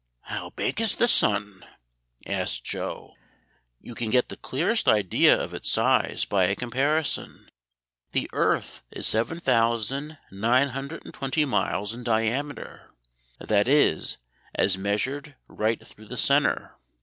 "How big is the sun?" asked Joe. "You can get the clearest idea of its size by a comparison. The earth is 7920 miles in diameter, that is, as measured right through the centre.